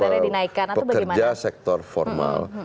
atau bagaimana pekerja sektor formal